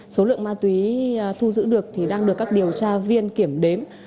số lượng ma túy thu giữ được thì đang được các điều tra viên kiểm đếm